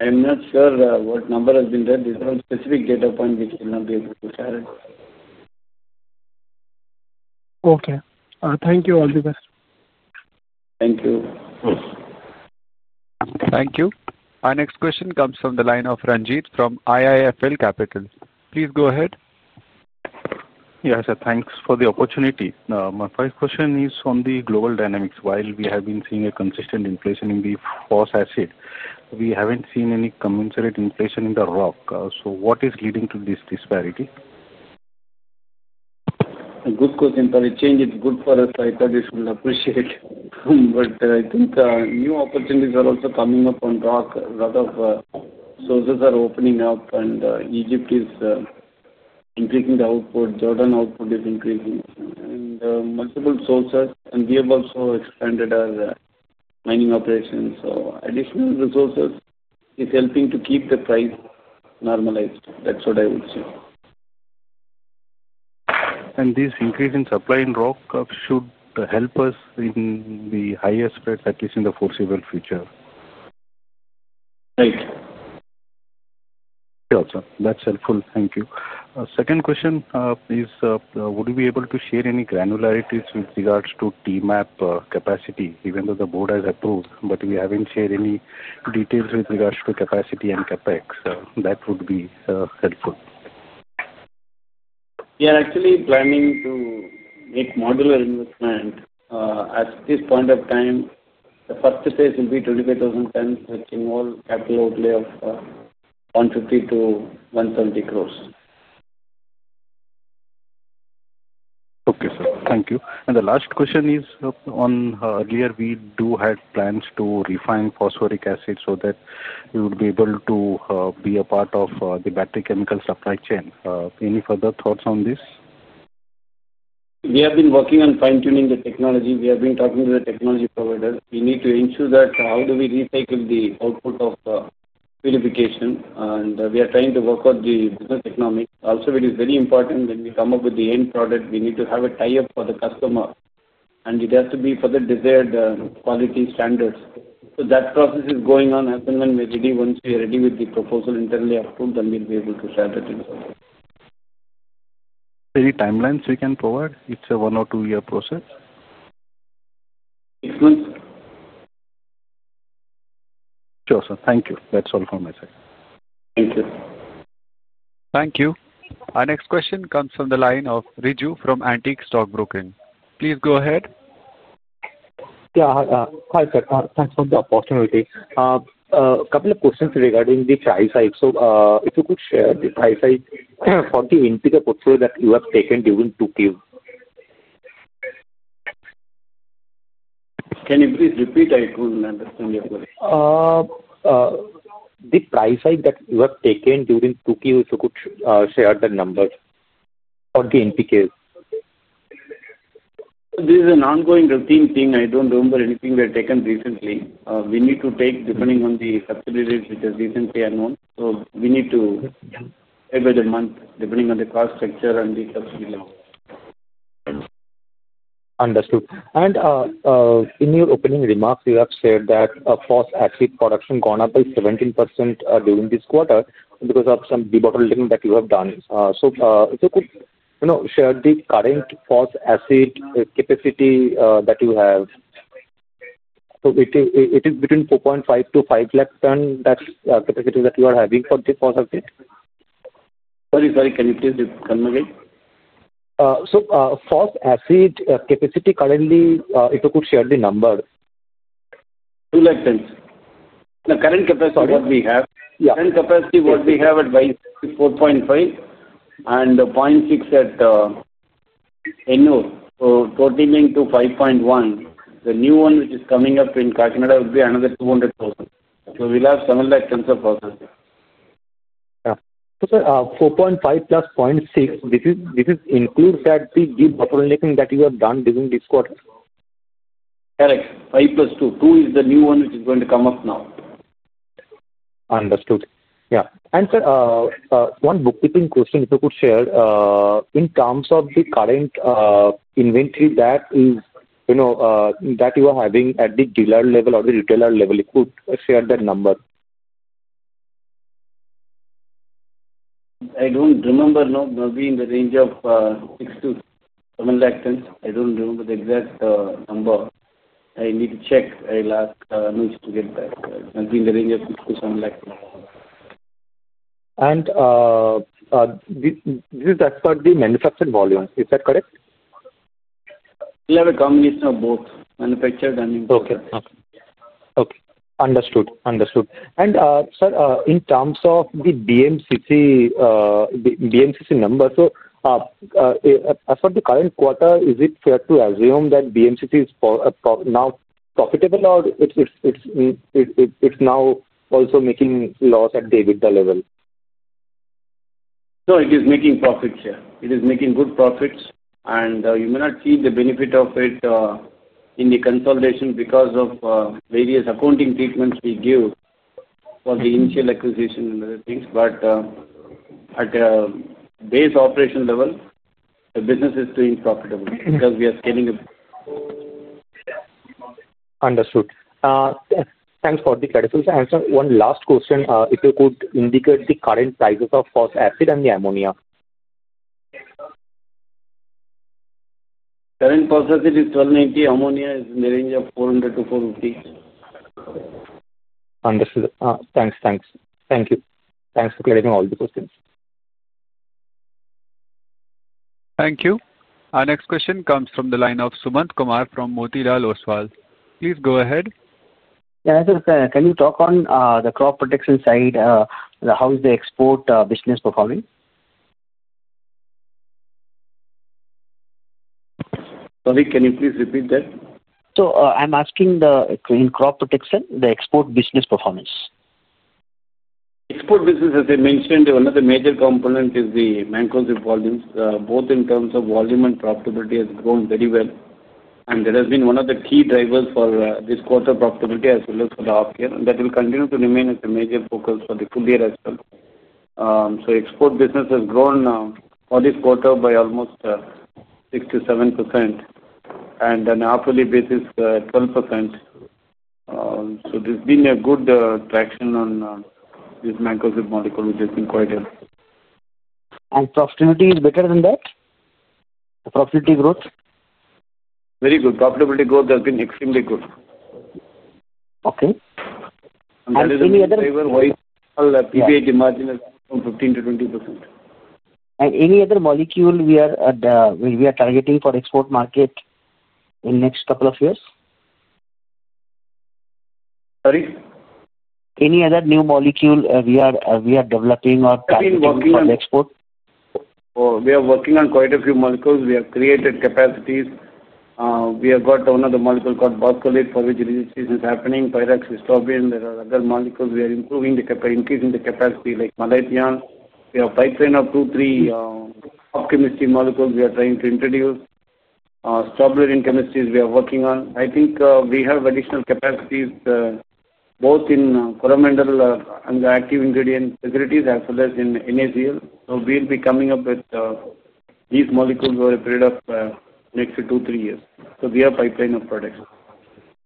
I'm not sure what number has been read. There's no specific data point which we'll not be able to share. Thank you. Thank you. Our next question comes from the line of Ranjit from IIFL Capital. Please go ahead. Yeah, sir. Thanks for the opportunity. My first question is on the global dynamics. While we have been seeing a consistent inflation in the Phosphoric acid, we haven't seen any commensurate inflation in the rock. What is leading to this disparity? Good question. If it changed, it's good for us. I thought we should appreciate it. I think new opportunities are also coming up on rock. A lot of sources are opening up, and Egypt is increasing the output. Jordan output is increasing. Multiple sources, and we have also expanded our mining operations. Additional resources are helping to keep the price normalized. That's what I would say. This increase in supply in rock should help us in the higher spread, at least in the foreseeable future. Right. Yeah, sir. That's helpful. Thank you. Second question is, would you be able to share any granularities with regards to MAP capacity, even though the board has approved, but we haven't shared any details with regards to capacity and CapEx? That would be helpful. We are actually planning to make modular investment. At this point of time, the first phase will be 25,000 tons, which involves capital outlay of 150- 170 crores. Okay, sir. Thank you. And the last question is on earlier, we do have plans to refine phosphoric acid so that we would be able to be a part of the battery chemical supply chain. Any further thoughts on this? We have been working on fine-tuning the technology. We have been talking to the technology providers. We need to ensure that how do we recycle the output of the purification. We are trying to work out the business economy. Also, it is very important when we come up with the end product, we need to have a tie-up for the customer. It has to be for the desired quality standards. That process is going on. As and when we're ready, once we're ready with the proposal internally approved, then we'll be able to share that information. Any timelines we can provide? It's a one or two-year process. Six months. Sure, sir. Thank you. That's all from my side. Thank you. Thank you. Our next question comes from the line of Riju from Antique Stock Broking. Please go ahead. Yeah. Hi, sir. Thanks for the opportunity. A couple of questions regarding the price side. If you could share the price side for the NPK portfolio that you have taken during 2Q? Can you please repeat? I couldn't understand your question. The price side that you have taken during 2Q, if you could share the number? For the NPKs. This is an ongoing routine thing. I don't remember anything we have taken recently. We need to take depending on the subsidy rates which are recently announced. We need to pay by the month depending on the cost structure and the subsidy level. Understood. In your opening remarks, you have shared that Phosphoric acid production gone up by 17% during this quarter because of some debottleneck that you have done. If you could share the current Phosphoric acid capacity that you have. It is between 4.5-5 lakh tons. That's the capacity that you are having for the Phosphoric acid? Sorry, sorry. Can you please reconfirm again? So Phosphoric acid capacity currently, if you could share the number? 2 lakh tons. The current capacity of what we have at Bhagod is 4.5, and 0.6 at Sarigam, totaling to 5.1. The new one which is coming up in Kakinada would be another 200,000. We'll have 7 lakh tons of Phosphoric acid. Yeah. Sir, 4.5+0.6, this includes the debottlenecking that you have done during this quarter? Correct. 5+2.2 is the new one which is going to come up now. Understood. Yeah. Sir, one bookkeeping question, if you could share in terms of the current inventory that you are having at the dealer level or the retailer level, if you could share that number. I don't remember. It must be in the range of 6-7 lakh tons. I don't remember the exact number. I need to check. I'll ask Nush to get that. It must be in the range of 6-7 lakh tons. This is as per the manufactured volume. Is that correct? We'll have a combination of both, manufactured and. Okay. Okay. Understood. Understood. Sir, in terms of the BMCC numbers, as for the current quarter, is it fair to assume that BMCC is now profitable or it's now also making loss at the EBITDA level? No, it is making profits here. It is making good profits. You may not see the benefit of it in the consolidation because of various accounting treatments we give for the initial acquisition and other things. At the base operation level, the business is doing profitably because we are scaling up. Understood. Thanks for the clarification. Sir, one last question. If you could indicate the current prices of Phosphoric acid and the Ammonia. Current Phosphoric acid is INR 1,290. Ammonia is in the range of INR 400-INR 450. Understood. Thanks. Thanks. Thank you. Thanks for clarifying all the questions. Thank you. Our next question comes from the line of Sumant Kumar from Motilal Oswal. Please go ahead. Yeah. Sir, can you talk on the crop protection side? How is the export business performing? Sorry, can you please repeat that? I'm asking in crop protection, the export business performance? Export business, as I mentioned, one of the major components is the Mancozeb volumes. Both in terms of volume and profitability has grown very well. That has been one of the key drivers for this quarter profitability as well as for the half year. That will continue to remain as a major focus for the full year as well. Export business has grown for this quarter by almost 6%-7%. On an annual basis, 12%. There's been a good traction on this Mancozeb molecule, which has been quite good. Profitability is better than that. Profitability growth? Very good. Profitability growth has been extremely good. Any other driver why PBIT margin has gone from 15%-20%. Any other molecule we are targeting for export market in the next couple of years? Sorry? Any other new molecule we are developing or targeting for the export? We are working on quite a few molecules. We have created capacities. We have got one of the molecules called Boscodate for which research is happening. Pyroxystrobin, there are other molecules. We are increasing the capacity like Malathion. We have pipeline of two, three optimistic molecules we are trying to introduce. Strawberry in chemistries we are working on. I think we have additional capacities both in Coromandel and the active ingredient securities as well as in NACL. We'll be coming up with these molecules over a period of next two, three years. We have pipeline of production.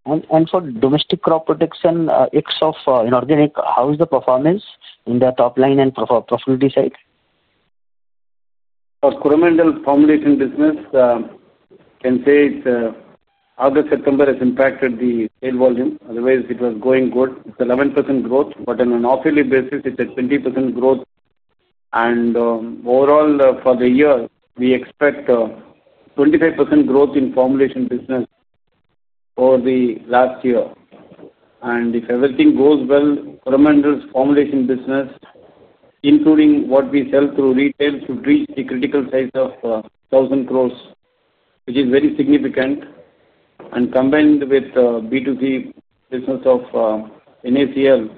For domestic crop protection, ex of inorganic, how is the performance in the top line and profitability side for Coromandel formulation business? August, September has impacted the sale volume. Otherwise, it was going good. It's 11% growth, but on an hourly basis, it's at 20% growth. Overall for the year, we expect 25% growth in formulation business over the last year. If everything goes well, Coromandel's formulation business, including what we sell through retail, should reach the critical size of 1,000 crore, which is very significant. Combined with B2C business of NACL,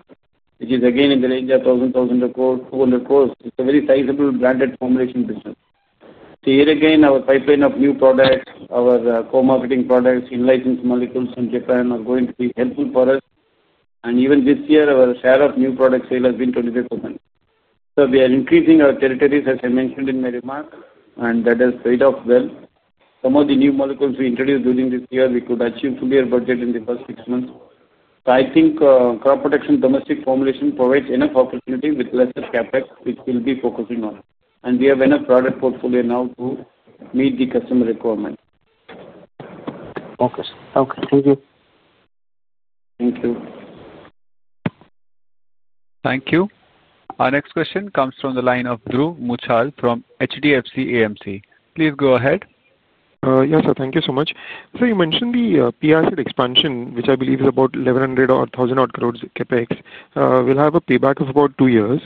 which is again in the range of 1,200 crore, it's a very sizable branded formulation business. Here again, our pipeline of new products, our co-marketing products, in-licensed molecules in Japan are going to be helpful for us. Even this year, our share of new product sale has been 25%. We are increasing our territories, as I mentioned in my remarks, and that has paid off well. Some of the new molecules we introduced during this year, we could achieve full year budget in the first six months. I think crop protection domestic formulation provides enough opportunity with lesser CapEx, which we'll be focusing on. We have enough product portfolio now to meet the customer requirement. Thank you. Thank you. Our next question comes from the line of Dhruv Muchhal from HDFC AMC. Please go ahead. Yeah, sir. Thank you so much. You mentioned the phosphoric acid expansion, which I believe is about 1,100 or 1,000 crore CapEx. We'll have a payback of about two years.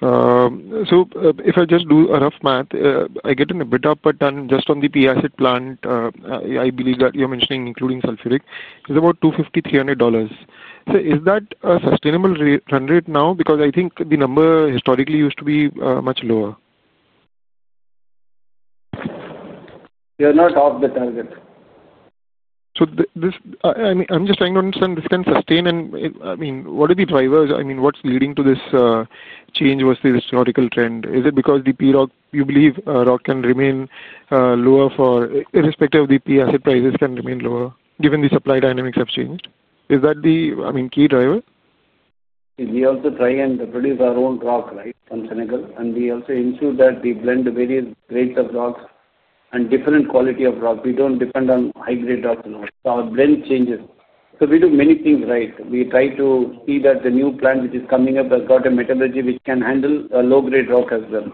If I just do a rough math, I get an EBITDA per ton just on the Phosphoric acid plant. I believe that you're mentioning, including Sulfuric, is about $250, $300. Is that a sustainable run rate now? I think the number historically used to be much lower. We are not off the target. I'm just trying to understand if this can sustain. What are the drivers? What's leading to this change vs the historical trend? Is it because the rock, you believe rock can remain lower irrespective of the Phosphoric acid prices, can remain lower given the supply dynamics have changed? Is that the key driver? We also try and produce our own rock from Senegal. We also ensure that we blend various grades of rocks and different quality of rock. We don't depend on high-grade rocks. Our blend changes. We do many things right. We try to see that the new plant which is coming up has got a metallurgy which can handle a low-grade rock as well,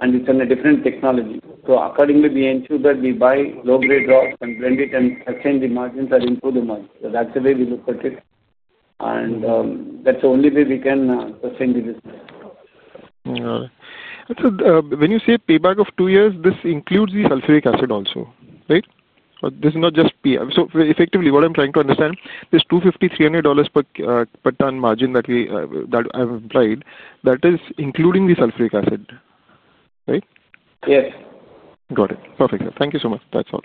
and it's on a different technology. Accordingly, we ensure that we buy low-grade rocks and blend it and sustain the margins and improve the margins. That's the way we look at it. That's the only way we can sustain the business. Got it. When you say payback of two years, this includes the Sulfuric acid also, right? This is not just Phosphoric. Effectively, what I'm trying to understand is $250, $300 per ton margin that I've implied, that is including the Sulfuric acid, right? Yes. Got it. Perfect. Thank you so much. That's all.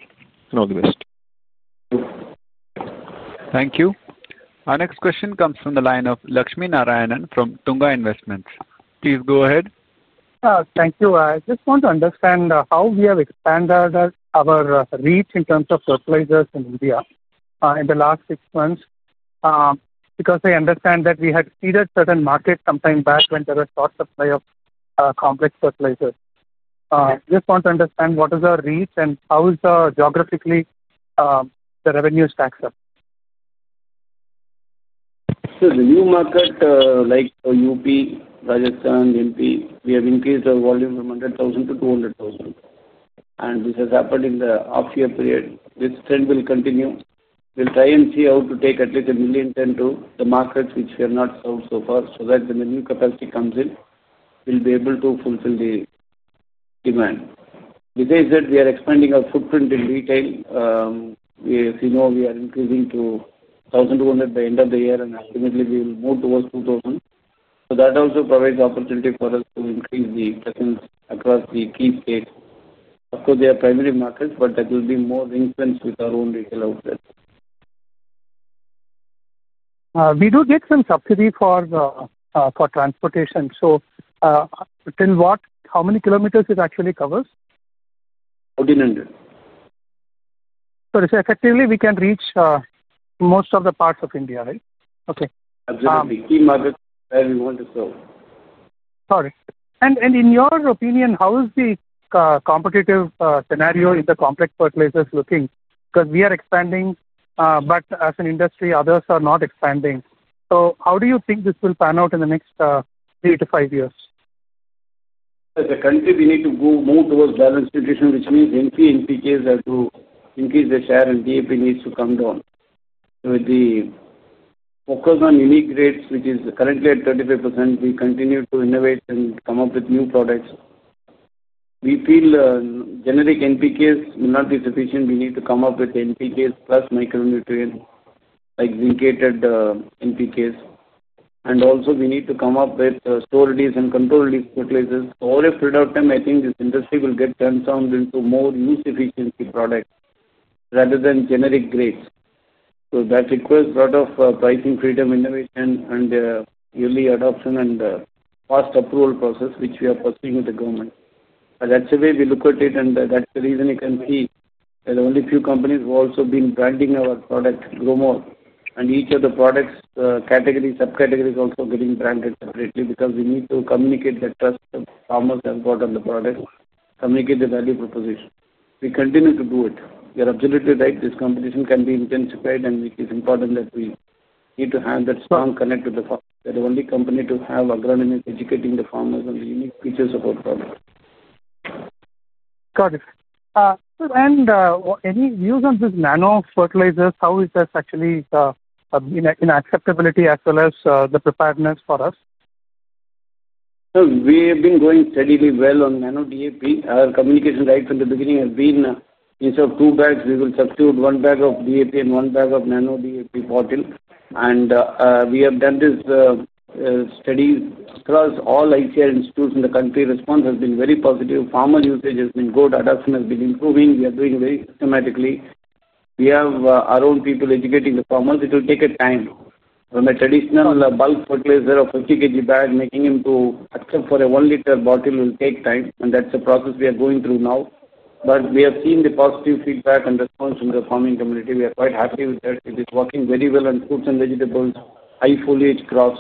All the best. Thank you. Our next question comes from the line of Lakshmi Narayanan from Tunga Investments. Please go ahead. Thank you. I just want to understand how we have expanded our reach in terms of fertilizers in India in the last six months. I understand that we had seeded certain markets sometime back when there was short supply of complex fertilizers. I just want to understand what is our reach and how is geographically. The revenue stacked up? The new market like UP, Rajasthan, MP, we have increased our volume from 100,000-200,000. This has happened in the half-year period. This trend will continue. We'll try and see how to take at least a million ton to the markets which we have not sold so far so that when the new capacity comes in, we'll be able to fulfill the demand. Besides that, we are expanding our footprint in retail. As you know, we are increasing to 1,200 by the end of the year, and ultimately, we will move towards 2,000. That also provides opportunity for us to increase the presence across the key states. Of course, they are primary markets, but that will be more influenced with our own retail outlet. We do get some subsidy for transportation. How many kilometers it actually covers? 1,400. Effectively, we can reach most of the parts of India, right? Okay. Absolutely. Key markets where we want to sell. Got it. In your opinion, how is the competitive scenario in the complex fertilizers looking? Because we are expanding, but as an industry, others are not expanding. How do you think this will pan out in the next 3-5 years? As a country, we need to move towards balanced nutrition, which means NP and NPKs have to increase their share, and DAP needs to come down. With the focus on unique grades, which is currently at 35%, we continue to innovate and come up with new products. We feel generic NPKs will not be sufficient. We need to come up with NPKs plus micronutrients like zincated NPKs. We also need to come up with store release and control release fertilizers. All have played out time. I think this industry will get transformed into more use efficiency products rather than generic grades. That requires a lot of pricing freedom, innovation, and early adoption and fast approval process, which we are pursuing with the government. That's the way we look at it, and that's the reason you can see there are only a few companies who have also been branding our product Gromor. Each of the products, categories, subcategories are also getting branded separately because we need to communicate the trust that farmers have got on the product, communicate the value proposition. We continue to do it. You're absolutely right. This competition can be intensified, and it is important that we need to have that strong connect with the farmers. We're the only company to have agronomists educating the farmers on the unique features of our product. Got it. Any views on these Nano fertilizers? How is this actually in acceptability as well as the preparedness for us? We have been going steadily well on Nano DAP. Our communication right from the beginning has been, instead of two bags, we will substitute one bag of DAP and one bag of Nano DAP bottle. We have done this studies across all ICAR institutes in the country. Response has been very positive. Farmer usage has been good. Adoption has been improving. We are doing very systematically. We have our own people educating the farmers. It will take time. From a traditional bulk fertilizer of 50 kg bag, making him accept a 1 L bottle will take time. That is the process we are going through now. We have seen the positive feedback and response from the farming community. We are quite happy with that. It is working very well on fruits and vegetables, high foliage crops.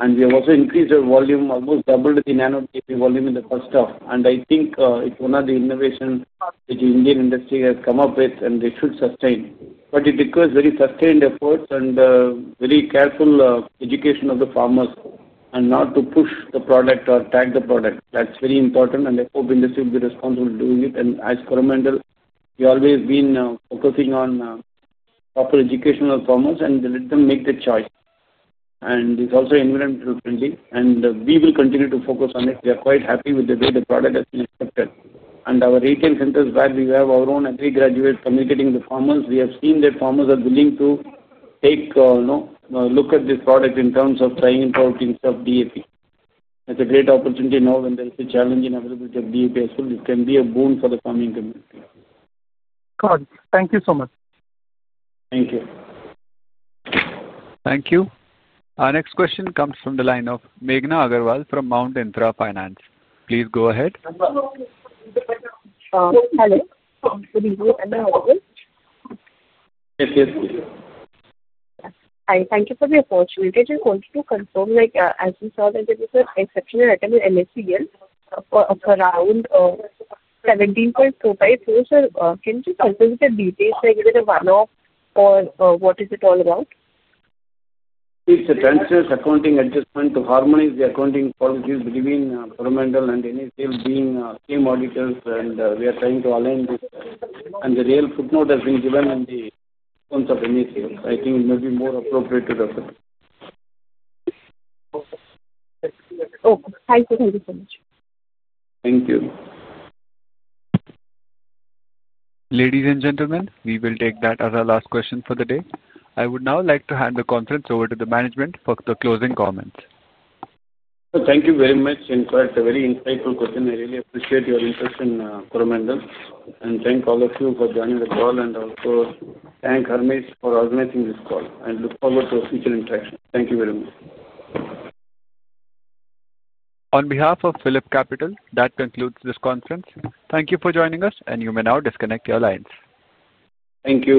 We have also increased our volume, almost doubled the Nano DAP volume in the first half. I think it's one of the innovations which the Indian industry has come up with, and they should sustain. It requires very sustained efforts and very careful education of the farmers and not to push the product or tag the product. That's very important, and I hope the industry will be responsible in doing it. As Coromandel, we have always been focusing on proper education of farmers and let them make the choice. It's also environmentally friendly, and we will continue to focus on it. We are quite happy with the way the product has been accepted. At our retail centers where we have our own Agri graduates communicating with the farmers, we have seen that farmers are willing to take a look at this product in terms of trying it out instead of DAP. That's a great opportunity now when there is a challenge in availability of DAP as well. It can be a boon for the farming community. Got it. Thank you so much. Thank you. Thank you. Our next question comes from the line of Meghna Agarwal from Mount Intra Finance. Please go ahead. Hello. Yes, yes, please. Hi. Thank you for the opportunity. I just wanted to confirm, as you saw, that there is an exceptional item in NACL for around INR 17.25 crore. Can you just confirm the details? Can you give it a run-up or what is it all about? It's a transverse accounting adjustment to harmonize the accounting policies between Coromandel and NACL being same auditors, and we are trying to align this. The real footnote has been given in the terms of NACL. I think it may be more appropriate to refer to. Oh, thank you. Thank you so much. Thank you. Ladies and gentlemen, we will take that as our last question for the day. I would now like to hand the conference over to the management for the closing comments. Thank you very much and for the very insightful question. I really appreciate your interest in Coromandel. Thank all of you for joining the call and also thank Harmish for organizing this call. I look forward to future interactions. Thank you very much. On behalf of Phillip Capital, that concludes this conference. Thank you for joining us, and you may now disconnect your lines. Thank you.